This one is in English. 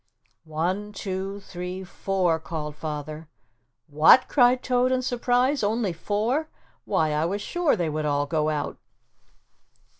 "One, two, three, four," called Father. "What," cried Toad in surprise, "only four why, I was sure they would all go out."